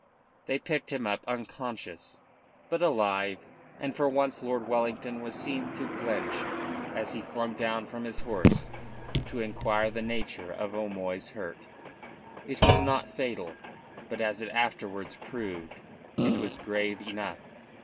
They picked him up unconscious but alive, and for once Lord Wellington was seen to blench as he flung down from his horse to inquire the nature of O'Moy's hurt. It was not fatal, but, as it afterwards proved, it was grave enough.